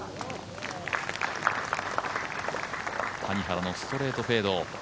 谷原のストレートフェード。